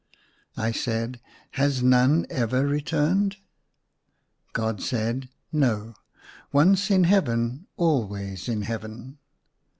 I said, " Has none ever returned ?" God said, " No ; once in Heaven al ways in Heaven."